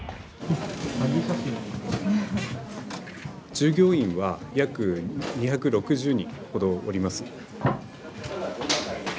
従業員は約２６０人ほどおります。